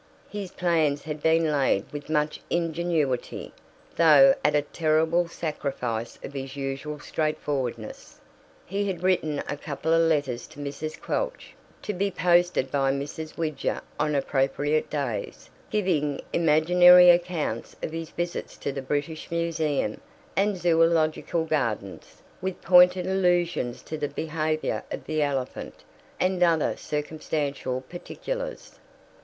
His plans had been laid with much ingenuity, though at a terrible sacrifice of his usual straight forwardness. He had written a couple of letters to Mrs. Quelch, to be posted by Mrs. Widger on appropriate days, giving imaginary accounts of his visits to the British Museum and Zoological Gardens, with pointed allusions to the behavior of the elephant, and other circumstantial particulars.